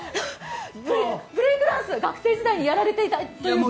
ブレークダンス、学生時代にやられていたと。